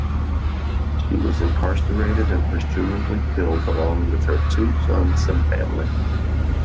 She was incarcerated and presumably killed along with her two sons and family.